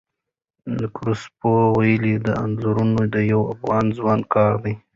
نکراسوف وویل، دا انځورونه د یوه افغان ځوان کار دی.